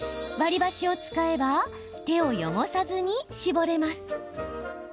割り箸を使えば手を汚さずに搾れます。